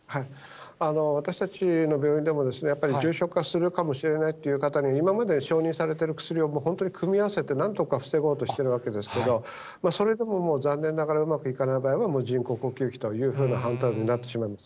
私たちの病院でも、やっぱり重症化するかもしれないっていう方に、今まで承認されてる薬を本当に組み合わせて、なんとか防ごうとしてるわけですけれども、それでももう、残念ながらうまくいかない場合は、人工呼吸器というような判断になってしまいます。